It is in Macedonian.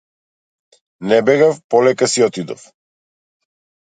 Не бегав, полека си отидов.